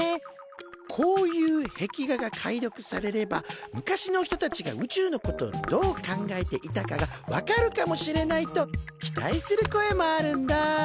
こういう壁画が解読されれば昔の人たちが宇宙のことをどう考えていたかが分かるかもしれないと期待する声もあるんだ。